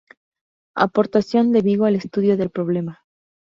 Aportación de Vigo al estudio del problema".